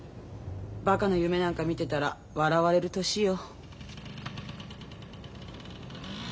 バカな夢なんか見てたら笑われる年よ。